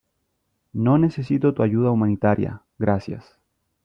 no necesito tu ayuda humanitaria , gracias .